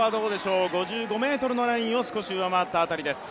５５ｍのラインを少し上回った辺りです。